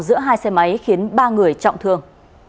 giữa hai xe máy khiến ba người trọng thương